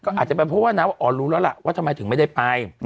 ก็อาจจะเป็นเพราะว่าน้าว่าอ๋อรู้แล้วล่ะว่าทำไมถึงไม่ได้ไป